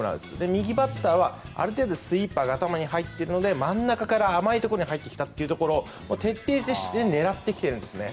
右バッターは、ある程度スイーパーが頭に入っているので真ん中から甘いところに入ってきたところを徹底して狙ってきているんですね